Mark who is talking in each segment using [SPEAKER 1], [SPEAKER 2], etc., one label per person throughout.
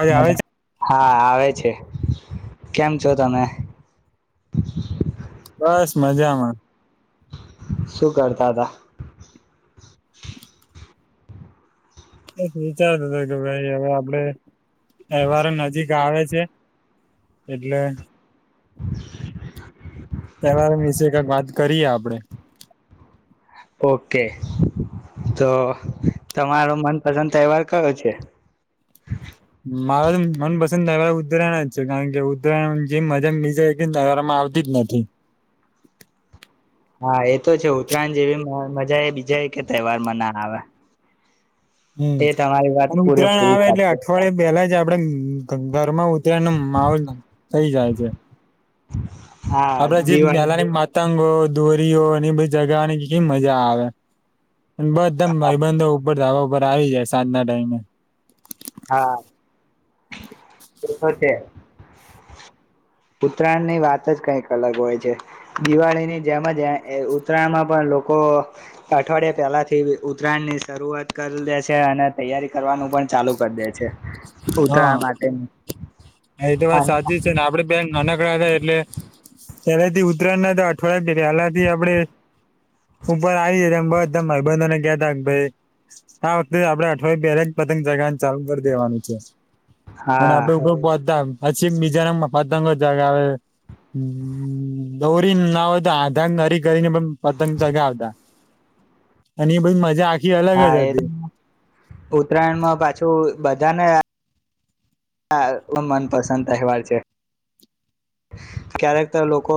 [SPEAKER 1] અવાજ આવે છે
[SPEAKER 2] હા હા આવે છે કેમ છો તમે
[SPEAKER 1] બસ મજામાં
[SPEAKER 2] શું કરતા હતા
[SPEAKER 1] બસ વિચારતો હતો કે ભાઈ હવે આપડે તહેવાર નજીક આવે છે એટલે
[SPEAKER 2] [inaudible]
[SPEAKER 1] તહેવાર વીશે ક ક વાત કરીએ આપડે
[SPEAKER 2] ઓકે તો તમારો મનપસંદ તહેવાર કયો છે.
[SPEAKER 1] મારા તો મનપસંદ તહેવાર ઉતરાયણ જ છે કારણ કે ઉતરાયણ જેમ મજા બીજાય કેરામાં આવતી જ નથી.
[SPEAKER 2] હા એ તો છે ઉત્તરાયણ જેવી મ મજા એ બીજા એ કે તહેવારમાના આવે
[SPEAKER 1] હમ
[SPEAKER 2] એ તમારી વાત
[SPEAKER 1] અને ઉત્તરાયણ
[SPEAKER 2] પૂરેપૂરી
[SPEAKER 1] આવે એટલે
[SPEAKER 2] સાચી
[SPEAKER 1] અઠવાડિયે પહેલા જ આપડે ઘરમાં ઉતરાયણનો માહોલ થઈ જાય છે.
[SPEAKER 2] [inaudible]
[SPEAKER 1] આપણે જી
[SPEAKER 2] દિવાળી
[SPEAKER 1] પેલાની માતાંગો દોરીઓની બધી જગાની કે મજા આવે બસદમ
[SPEAKER 2] હા
[SPEAKER 1] ભાઈ બંધો બર ધાવા ઉપર આવી જાય સાંજના ટાઈમે.
[SPEAKER 2] હા.
[SPEAKER 1] હ [inaudible]
[SPEAKER 2] ો છે ઉત્તરાયણ ની વાત જ કઈક અલગ હોય છે, દિવાળીની જેમ જ ઉત્તરાયણમાં પણ લોકો અઠવાડિયા પહેલા થી ઉત્તરાયણ ની શરૂઆત કરી દે છે, અને તૈયારી કરવાનું પણ ચાલુ કરી દે છે.
[SPEAKER 1] હા
[SPEAKER 2] ઉતરાયણ માટે.
[SPEAKER 1] હા એ તો વાત સાચી છે ને આપડે બેંક નાનકડા એટલે પહેલા થી ઉત્તરાયણ ના તો અઠવાડિયા પહેલાથી આપણે ઉપર આવીમ બધા માઈબંધને, કહતા કે ભાઈ આ વખતે આપડે અઠવાડયે પહેલા પતંગ જગા ચાલુ કરી દેવાનું છે. અને
[SPEAKER 2] હા
[SPEAKER 1] આપડેગ [unintelligible] પછી મિજોરમમાં પતંગો ચગાવે, આવે દૌરી ના હોય તો આધારરીક જઈને પણ પતંગ ચગાવતા. અને એ બધ મજા આ
[SPEAKER 2] હા એ ઉત્તરાયણમાં પાછું બધાને મનપસંદ તહેવાર છે ક્યારેક તો લોકો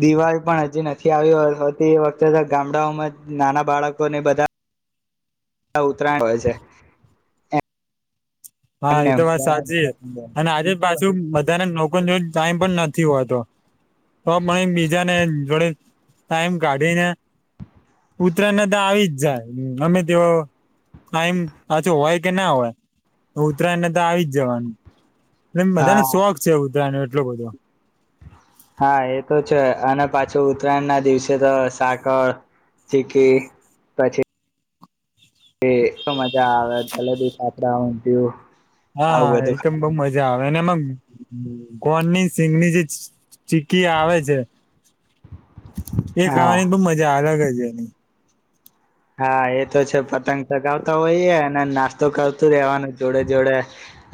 [SPEAKER 2] દિવાળી પણ હજી નથી આવી હોતી એ વખતે ગામડાઓમાં નાના બાળકોને બધા ઉતરાયણ હોય છે.
[SPEAKER 1] હા એતો વાત સાચી છે
[SPEAKER 2] એમને
[SPEAKER 1] અને આજે પાછુ બધાને ન લોકો જોડે ટાઈમ પણ નથી હોતો. તો પણ બીજાને જોડે ટાઈમ કાઢીને ઉતરાયણે તો આવી જ જાય અમે તેઓ ટાઈમ પાછો હોય કે ના હોય. ઉત્તરાયણ ને તો આવી જ જવાનું. એ બધાને
[SPEAKER 2] હા
[SPEAKER 1] શોખ છે ઉતરાયણ નો. કેટલો બધો.
[SPEAKER 2] હા એ તો છે અને પાછું ઉત્તરાયણના દિવસે તો સાકર, ચીકી પછી એ એકદમ મજા આવે જલેબી, ફાફડા, ઊંધિયું.
[SPEAKER 1] હા
[SPEAKER 2] આવું
[SPEAKER 1] એ
[SPEAKER 2] બધું
[SPEAKER 1] તો બઉ
[SPEAKER 2] ખાવાનું
[SPEAKER 1] મજા આવે અને એમાં કોણની સિંગની જે ચી ચીકી આવે છે એ
[SPEAKER 2] હા
[SPEAKER 1] ખાવાની તો મજા અલગ જ. જેની
[SPEAKER 2] હા એ તો છે પતંગ ચગાવતા હોય અને નાસ્તો કરતું રેવાનું જોડે જોડે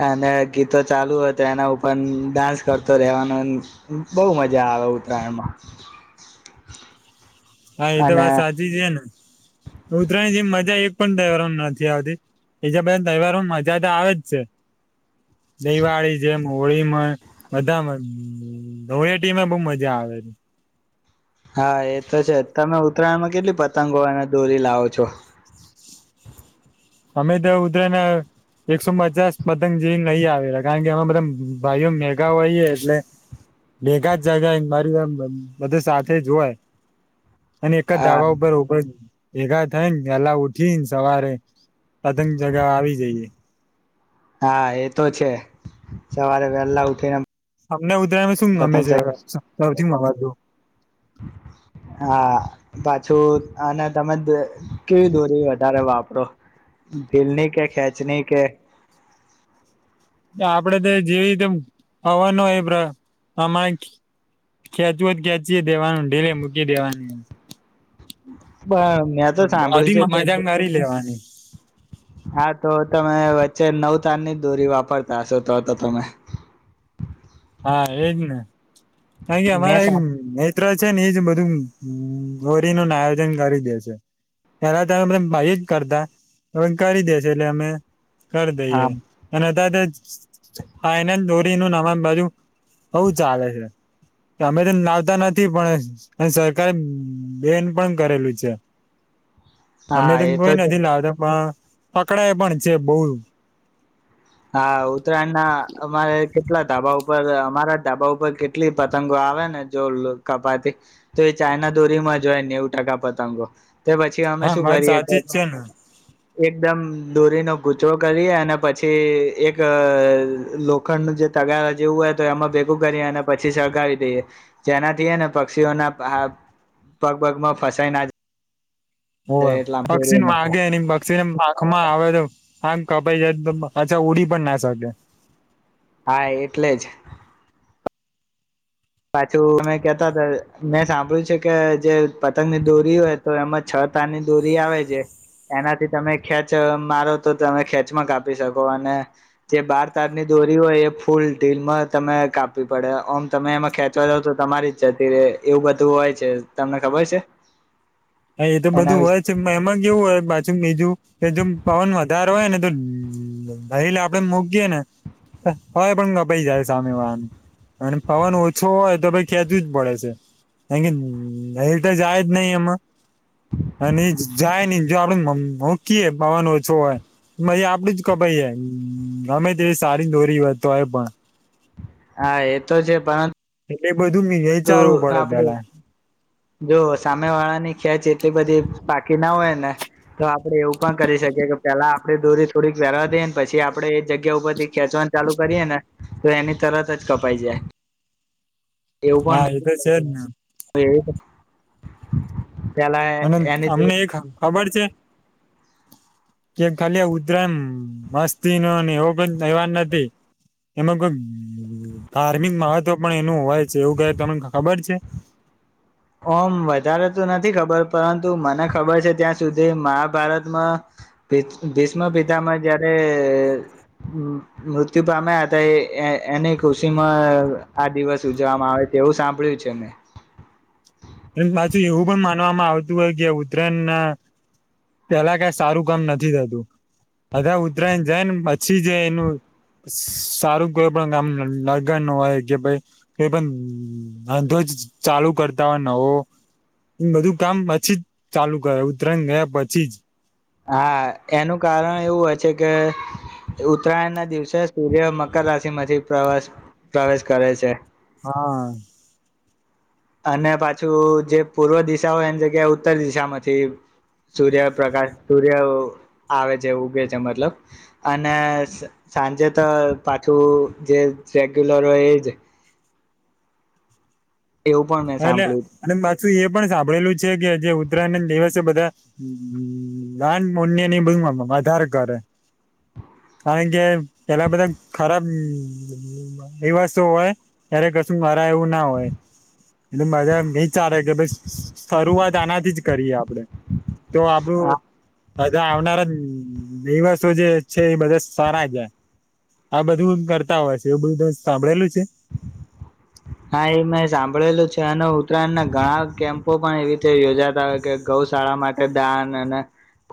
[SPEAKER 2] અને ગીતો ચાલુ હોય તો એના ઉપર ડાન્સ કરતો રેવાનો બહ મજા આવે ઉતરાયણમાં.
[SPEAKER 1] હા એ તો વાત સાચી છે. ઉતરાયણ જે મજા એક પણ તહેવારો નથી આવતી, બીજા બધા તહેવારો મજા તો આવે જ છે. દિવાળી જેમ હોળીમાં, બધામાં ધોટીમાં બહ મજા આવે છે.
[SPEAKER 2] હા એ તો છે તમે ઉત્તરાયણમાં કેટલી પતંગો અને દોરી લાવો છો?
[SPEAKER 1] અમે તો ઉતરાયના એકસો પચાસ પતંગ જવીને લઈ આવેલા કારણ કે અમે બધા ભાઈઓ મેગા હોઈએ એટલે, ભેગા જ જગ્યા મારી બધું સાથેજ હોય. અને એકા
[SPEAKER 2] હા
[SPEAKER 1] ધાબા ઉપ ઉપર ઉભા ભેગા થઈ ને એલા ઉઠીને સવારે. પતંગ જગા આવી જઈએ.
[SPEAKER 2] હા એ તો છે, સવારે વેહેલા ઉઠીને
[SPEAKER 1] અમને ઉધરાયણમાં શું ગમે
[SPEAKER 2] પતંગ
[SPEAKER 1] છે?
[SPEAKER 2] ચગાવે
[SPEAKER 1] મગજો [unintelligible]
[SPEAKER 2] હા પાછું અને તમે કેવી દોરી વધારે વાપ ઢીલની કે ખેંચની કે?
[SPEAKER 1] આપડે તો જેવીીતે હવાનો એ હમારે ખેચવું જ ખેચી દેવાનું ઢીલે મૂકી દેવાની.
[SPEAKER 2] પણ મેં તો
[SPEAKER 1] બધી
[SPEAKER 2] સાંભળ્યું છે કે
[SPEAKER 1] મજાક મારી [inaudible]
[SPEAKER 2] હા તો તમે વચ્ચે નવ તારની જ દોરી વાપરતા હશો તો તો તમે.
[SPEAKER 1] હા એજને. અહીંયા
[SPEAKER 2] મેં
[SPEAKER 1] અમારાઈન
[SPEAKER 2] સાં
[SPEAKER 1] મેત ત્ર છે ને એજ બધું ગોરીનું આયોજન કરી દે છે, પેલા તો ભાઈ જ કરતા હવે કરી દે છે એટલે અમે કર દઈએ
[SPEAKER 2] હા
[SPEAKER 1] અને [unintelligible] ત આ એન એન દોરી નું નવા બાજુ બઉચાલે છે તમે તો લાવતા નથી પણ અને સરકારે બેન્ડ પણ કરેલું છે અમે
[SPEAKER 2] હા
[SPEAKER 1] તો
[SPEAKER 2] એ
[SPEAKER 1] કોઈ
[SPEAKER 2] છે
[SPEAKER 1] નથી લાવતા પણ પકડાયા પણ છે બહુ
[SPEAKER 2] હા, ઉત્તરાયણ ના અમારે કેટલા ધાબા ઉપર અમારા ધાબા ઉપર કેટલી પતંગો આવે ને જો કપાતી તો એ ચાયના દોરીમાં જ હોય નેવું ટકા પતંગો તે પછી અમે
[SPEAKER 1] હા
[SPEAKER 2] શું
[SPEAKER 1] વાત
[SPEAKER 2] કરીએ,
[SPEAKER 1] સાચી જ છે ને
[SPEAKER 2] એકદમ દોરીનો ગુચડો કરીએ અને પછી થી એક લોખંડનું જે તગાર જેવું હોય તો એમાં ભેગું કરી અને પછી સળગાવી દઈએ જેનાથી હેને પક્ષીઓના પગ, પગમાં ફસાઈ ના જ
[SPEAKER 1] ઓ પક્ષિ ન માગે નિમ પક્ષિ ન માં આવે તો, આા કપાઈ જાય તો અચ્છા, ઉડી પણ ના શકે
[SPEAKER 2] હા, એટલે જ પાછું મે કેતા હતા મેં સાંભળ્યું છે કે જે પતંગની દોરી હોય તો એમાં છ તારની દોરી આવે છે એનાથી તમે ખેંચ મારો તો તમે ખેંચમાં કાપી શકો અને જે બાર તારની દોરી હોય એ ફૂલ ઢીલમાં તમે કાપવી પડે ઓમ તમે એમાં ખેંચવા જાવ તો તમારી જ જતી રે એવું બધું હોય છે, તમને ખબર છે
[SPEAKER 1] હા એ તો
[SPEAKER 2] એના
[SPEAKER 1] બધું
[SPEAKER 2] વિશે
[SPEAKER 1] હોય છે, એમાં કેવું હોય બીજું કે જોમ પવન વધારે હોય ને તો દહીલ આપણે મૂકીયએ ને હોય પણ ગપાઈ જાય સામે વાનું અને પવન ઓછો હોય તો ભઈ ખેંચવું જ પડે છે કારણ કે દહીલ તો જાય જ નહી એમાં અને જાય ની [unintelligible] જો આપડ હૂકીએ પવાનો ઓછો હોય, આપડું જ કપાઇ, અમે તેવી સારી દોરી હોય તો હોય પણ.
[SPEAKER 2] હા એ તો છે પર
[SPEAKER 1] [inaudible]
[SPEAKER 2] તો
[SPEAKER 1] વિચારવું પડે
[SPEAKER 2] આપડે
[SPEAKER 1] પેલા
[SPEAKER 2] જો સામે વાળાની ખ્યાચી એટલી બધી પાકી ના હોય ને, તો આપડે એવું પણ કરી શકીએ કે પેલા આપડે દોરી થોડીક વેરવા દઈએ ને પછી આપડે જગ્યા ઉપરથી ખેંચવાન ચાલુ કરીએ ને તો એની તરત જ કપાય છે.
[SPEAKER 1] હા એટલે જ એ જ
[SPEAKER 2] એવ
[SPEAKER 1] અને અમને એક ખબર છે કે ખાલી ઉતરાયમ મસ્તી નો એવો એહેવા નથી એમાં કોઈ ધાર્મિક મહ તો પણ એનું હોય છે એવું કાય તમને ખબર છે
[SPEAKER 2] ઓમ વધારે તો નથી ખબર પરંતુ મને ખબર છે ત્યાં સુધી મહાભારતમાં ભીષ્મ પિતામાં જયારે મૃત્યુ પામ્યા હતા એની ખુશીમાં આ દિવસ ઉજવવામાં આવે તેવું સાંભળ્યું છે મેમ
[SPEAKER 1] પાછું એવું પણ માનવામાં આવતું હોય કે ઉત્તરાયણ ના પેલા કઈ સારું કામ નથી થતું બધા ઉત્તરાયણ જાય ને પછી જ એનું સારું કોઈ પણ કામ લગન ન હોય કે ભાઈ કોઈ પણ અંધોજ ચાલુ કરતા હોય નવો એ બધું કામ પછી જ ચાલુ કરે ઉતરાયણ ગયા પછી જ
[SPEAKER 2] હા એનું કારણ એવું હોય છે કે ઉતરાયણ ના દિવસે સૂર્ય મકાર રાશિ માંથી પ્રવસ પ્રવેશ કરે છે
[SPEAKER 1] હા
[SPEAKER 2] અને પાછું જે પૂર્વ દિશા હોય એની જગ્યાએ ઉત્તર દિશામાંથી સૂર્ય પ્રકાશ સૂર્ય આવે છે ઉગે છે મતલબ અને સાંજે તો પાછું જે રેગ્યુલર હોય એ જ એવું પણ મેં
[SPEAKER 1] હ
[SPEAKER 2] સાંભળ્યું
[SPEAKER 1] લ્યા એ પણ સાંભળેલું છે કે જે ઉત્તરાયણ દિવસે બધા લાન મન્યની બધું વધાર કરે કારણ કે પેલા બધા ખરાબ દવાસો હોય ત્યારે કશું મારા એવું ના હોય એટલે મજા એ ચાલે કે ભ શરૂઆત આનાથી જ કરીએ આપ આપડે તો આપડું હધા આવનારા દીવસો જે છે એ બધા સારા જયા આ બધું કરતા હોય છે એવું બધું ત સાંભળેલું છે
[SPEAKER 2] હા એ મેં સાંભળેલું છે અને ઉત્તરાયણ ના ઘણા કેમ્પો પણ એવી રીતે યોજાતા હોય કે ગૌશાળા માટે દાન અને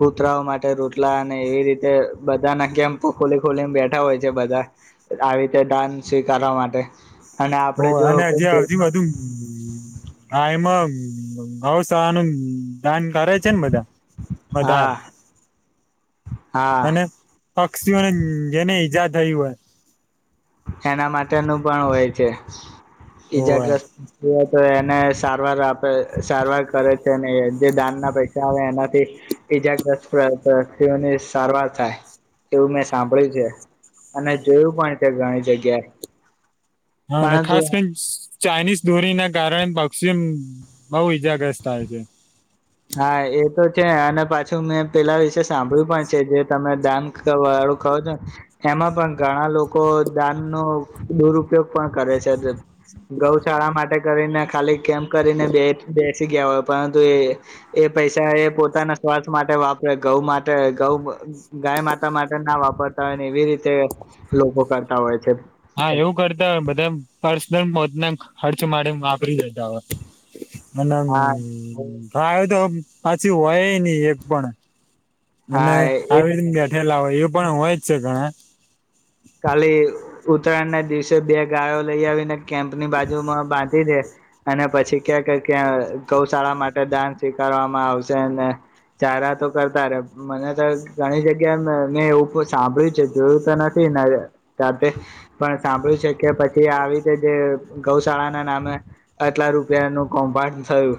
[SPEAKER 2] કૂતરાઓ માટે રોતલા અને એવી રીતે બધાના કેમ્પો ખોલી ખોલીને બેઠા હોય છે બધા આવી રીતે દાન સ્વીકારવા માટે અને
[SPEAKER 1] ઓ
[SPEAKER 2] આપડે જો
[SPEAKER 1] અને હજી
[SPEAKER 2] કોઈ
[SPEAKER 1] હજી બધું આ એમાં હવસાનુ દાન કરે છે ને બધા વધારે
[SPEAKER 2] હા હા
[SPEAKER 1] અને પક્ષીઓને જેને ઈજા થયું
[SPEAKER 2] એના માટેનું પણ હોય છે
[SPEAKER 1] હોવે.
[SPEAKER 2] ઈજાગ્રસ્ત તો એ ને સારવાર આપે સારવાર કરે છે ને જે દાન ના પૈસા આવે એનાથી ઈજાગ્રસ્તતિઓની સારવાર થાય એવું મેં સાંભળ્યું છે અને જોયું પણ ઘણી જગ્યા
[SPEAKER 1] હા અને ખાસ કરી ચાઇનીઝ દોરીના કારણે પક્ષિ બહુ ઈજાગ્રસ્ત થાય છે
[SPEAKER 2] હા એ તો છે અને પાછું મેં પેલા વિશે સાંભળ્યું પણ છે જે તમે દાન વાળું કહો છો ને એમાં પણ ઘણા લોકો દાન ન દુરપયોગ પણ કરે છે ગૌશાળા માટે કરીને ખાલી કેમ કરીને બે બે પછી ગયા હોય પણંતુ એ એ પૈસા એ પોતાના સ્વાથ માટે વાપરે ઘઉં માટે ઘઉ ગાય માતા માટે ના વાપર હોતા હોય એવી રીતે લોકો કરતા હોય છે
[SPEAKER 1] હા એવું કરતા હોય બધા પર્સનલ પોતના ખર્ચ માટે [inaudible]
[SPEAKER 2] હા
[SPEAKER 1] હ એ તો પછી હોય નહી એક પણ અનેને
[SPEAKER 2] હા એ
[SPEAKER 1] આવી બેઠેલા હોય એ પણ હોય જ છે ઘણા.
[SPEAKER 2] કાલી ઉતરાયણ ના દિવસે બે ગાયો લઈ આવીને કેમ્પ ની બાજુમાં બા અને પછી, ક્યાંક ક ગૌશાળા માટે દાન સ્વીકારવામાં આવશે અને ચારા તો કરતા રે મને તો ઘણી જગ્યા મેં એવું સાંભળ્યું છે જોયું તો નથી. જાતે પણ સાંભળ્યું છે કે પછી આવી રીતે જે ગૌશાળા ના નામે આટલા રૂપિયાનું કમ્ભાંડ થયું,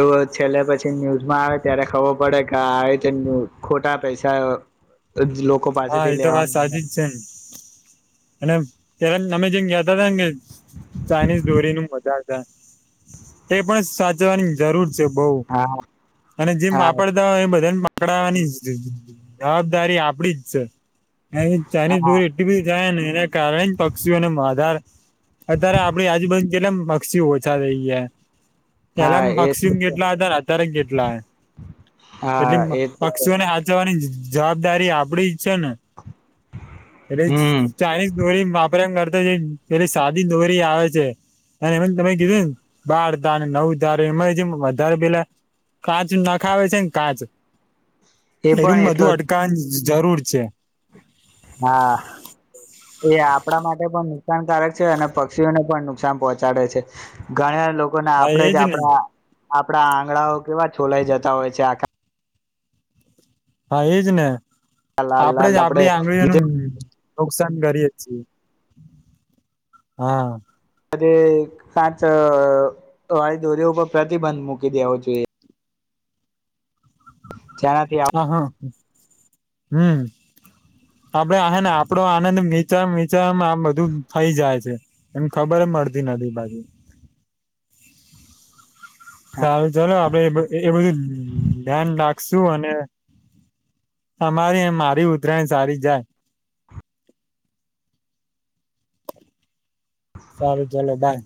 [SPEAKER 2] એવું છેલ્લે પછી ન્યૂઝમાં આવે ત્યારે ખબર પડે કે આવી રીતે ખોટા પૈસા લોકો
[SPEAKER 1] હા
[SPEAKER 2] પાસેથી
[SPEAKER 1] એ તો
[SPEAKER 2] લેવા
[SPEAKER 1] વાત સાચી
[SPEAKER 2] માંગે
[SPEAKER 1] જ છે ને અને પ અમે જેમ કતા હતા ને કે ચાાઈનીઝ દોરીનું મજા હતા, એ પણ સાચવાની જરૂર છે. બઉ,
[SPEAKER 2] હા
[SPEAKER 1] અને જેમ
[SPEAKER 2] હા
[SPEAKER 1] વાપરતા હોય એ બધા પકડાવાની જવાબદારી આપડી જ છે. હ ચાઈનિઝ
[SPEAKER 2] હા
[SPEAKER 1] દોરી એટ બી જાયને એને કારણે જ પક્ષીઓ ન આધાર અત્યારે આપડી આજુબાજુ કેટલે પક્ષીઓ ઓછા થઈ જયા પેલા
[SPEAKER 2] હા એ તો
[SPEAKER 1] પક્ષી
[SPEAKER 2] છે
[SPEAKER 1] કેટલા હતાાર અતારે કેટલા
[SPEAKER 2] હા
[SPEAKER 1] એટલી
[SPEAKER 2] એ તો છે
[SPEAKER 1] પક્ષીઓને હાચવાની જ જવાબદારી આપડી જ છે ને એટલે
[SPEAKER 2] હમ
[SPEAKER 1] ચાઇનીઝ દોરી વાપરયા કરતા જે પેલી સાદી દોરી આવે છે અને એ તમે કીધું ને બાર તાર નવ ધાર એમાં જેમ વધારે પેલા કાચ નાખાવે છે ને કાચ
[SPEAKER 2] એ
[SPEAKER 1] એરું
[SPEAKER 2] પણ એટલો
[SPEAKER 1] બધું
[SPEAKER 2] જ
[SPEAKER 1] અડકાન જરૂર છે છેે
[SPEAKER 2] હા એ આપણા માટે પણ નુકસાનકારક છે અને પક્ષીઓને પણ નુકસાન પહોંચાડે છે ઘણા લોકોને
[SPEAKER 1] હા
[SPEAKER 2] આપણેે જ
[SPEAKER 1] એજ ને
[SPEAKER 2] આપણા આપડા આંગણાઓ કેવા છોલાઈ જતા હોય છે આખ
[SPEAKER 1] હા એજ ને
[SPEAKER 2] લાલ
[SPEAKER 1] આપડે
[SPEAKER 2] લાલ
[SPEAKER 1] જ આપડી
[SPEAKER 2] ધીરે
[SPEAKER 1] આંગળીઓનું નુકસાન કરીએ છીએ હા
[SPEAKER 2] કાચ વાળી દોરી ઉપર પ્રતિબંધ મૂકી દેવો જોઈએ જેનાથી આવ
[SPEAKER 1] હા હા હમ આપડે આને આપડો આનંદ નીચા નીચામાં આમ બધું થઈ જાય છે એમ ખબર મળતી નથી બાજુ શું અને અમારી મારી ઉતરાયણ સારી જાય સારું ચલો બાય.